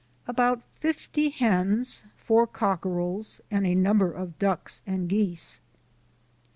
About fifty hens, four cockerels, and a number of ducks and geese.